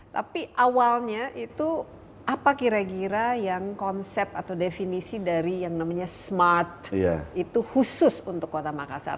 tapi awalnya itu apa kira kira yang konsep atau definisi dari yang namanya smart itu khusus untuk kota makassar